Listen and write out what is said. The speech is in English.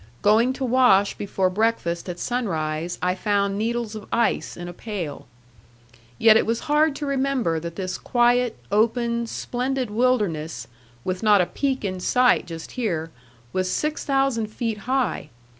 Going to wash before breakfast at sunrise, I found needles of ice in a pail. Yet it was hard to remember that this quiet, open, splendid wilderness (with not a peak in sight just here) was six thousand feet high.